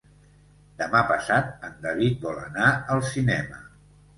Demà passat en David vol anar al cinema.